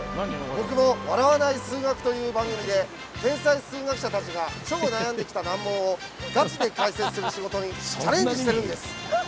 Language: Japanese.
僕も「笑わない数学」という番組で天才数学者たちが超悩んできた難問をガチで解説する仕事にチャレンジしているんです。